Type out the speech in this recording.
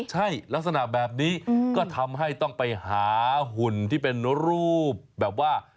ใช่ลักษณะแบบนี้ก็ทำให้ต้องไปหาหุ่นที่เป็นรูปแบบว่า